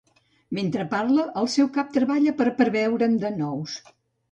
Mentre parla el seu cap treballa per preveure'n de nous.